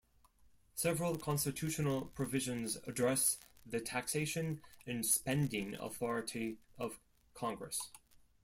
Several Constitutional provisions address the taxation and spending authority of Congress.